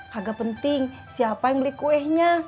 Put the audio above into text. kagak penting siapa yang beli kue nya